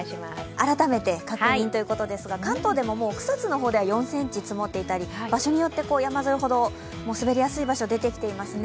改めて確認ということですが関東でも４ｃｍ積もっていたり場所によって山沿いほど滑りやすい場所、出てきていますね。